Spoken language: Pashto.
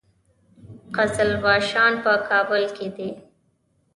قزلباشان په کابل کې دي؟